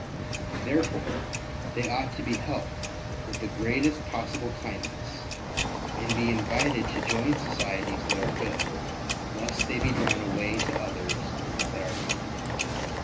Therefore, they ought to be helped with the greatest possible kindness, and be invited to join societies that are good, lest they be drawn away to others that are evil."